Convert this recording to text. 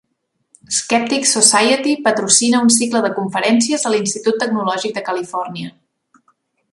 Skeptics Society patrocina un cicle de conferències a l'Institut Tecnològic de Califòrnia.